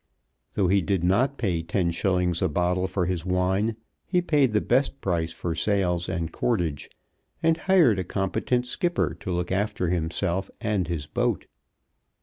Though he did not pay 10_s._ a bottle for his wine, he paid the best price for sails and cordage, and hired a competent skipper to look after himself and his boat.